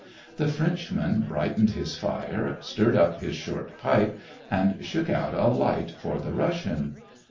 The Frenchman brightened his fire, stirred up his short pipe, and shook out a light for the Russian.